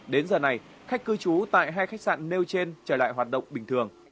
đến giờ này khách cư trú tại hai khách sạn nêu trên trở lại hoạt động bình thường